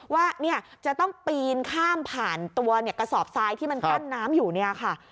ว่าเนี่ยจะต้องปีนข้ามผ่านตัวกระสอบทรายที่มันกั้นน้ำอยู่เนี่ยค่ะ